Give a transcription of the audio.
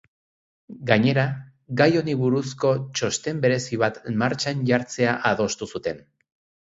Gainera, gai honi buruzko txosten berezi bat martxan jartzea adostu zuten.